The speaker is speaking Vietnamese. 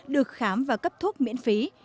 được khám và cấp thuốc miễn phí